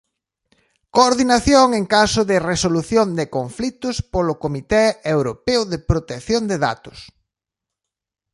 Coordinación en caso de resolución de conflitos polo Comité Europeo de Protección de Datos.